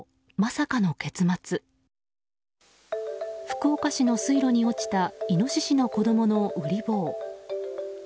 福岡市の水路に落ちたイノシシの子供のウリ坊。